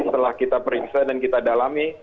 setelah kita periksa dan kita dalami